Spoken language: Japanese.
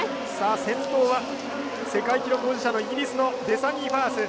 先頭は、世界記録保持者のイギリスのベサニー・ファース。